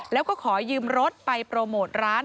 แล้วก็ขอยืมรถไปโปรโมทร้าน